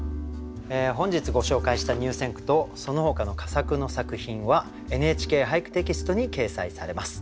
本日ご紹介した入選句とそのほかの佳作の作品は「ＮＨＫ俳句」テキストに掲載されます。